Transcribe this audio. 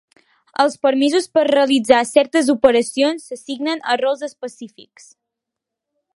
Els permisos per a realitzar certes operacions s'assignen a rols específics.